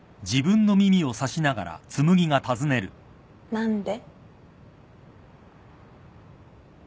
何で？